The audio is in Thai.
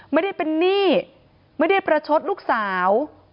ไม่ได้เป็นหนี้ไม่ได้ประชดลูกสาว